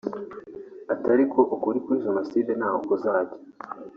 Ati “Ariko ukuri kuri Jenoside ntaho kuzajya